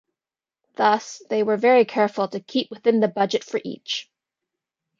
Thus they were very careful to keep within the budget for each.